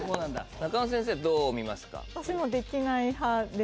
中野先生どう見ますか？